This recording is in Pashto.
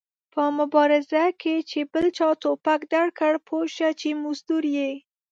په مبارزه کې چې بل چا ټوپک درکړ پوه سه چې مزدور ېې